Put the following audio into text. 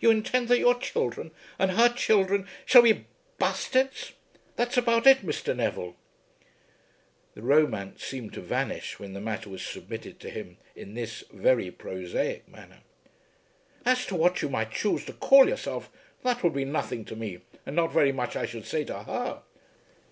You intend that your children and her children shall be bastards. That's about it, Mr. Neville." The romance seemed to vanish when the matter was submitted to him in this very prosaic manner. "As to what you might choose to call yourself, that would be nothing to me and not very much I should say, to her.